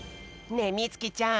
ねえみつきちゃん